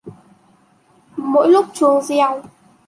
Mỗi lúc chuông reo